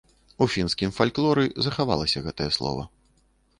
У фінскім фальклоры захавалася гэтае слова.